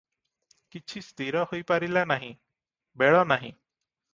କିଛି ସ୍ଥିର ହୋଇପାରିଲା ନାହିଁ, ବେଳ ନାହିଁ ।